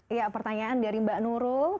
iya pertanyaan dari mbak nurul